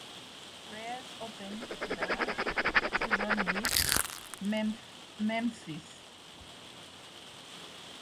Reyes opened the season with Memphis.